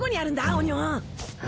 オニオン。